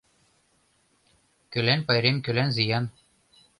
...Кӧлан пайрем, кӧлан зиян.